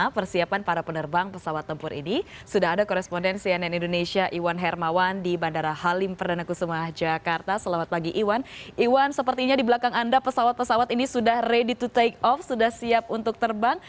pesawat pesawat ini sudah ready to take off sudah siap untuk terbang